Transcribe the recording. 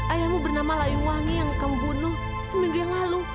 ayahmu bernama layuwangi yang kaum bunuh seminggu yang lalu